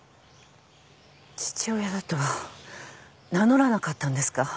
父親だとは名乗らなかったんですか？